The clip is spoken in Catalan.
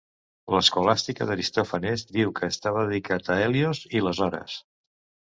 L'escolàstica d'Aristòfanes diu que estava dedicat a Hèlios i les Hores.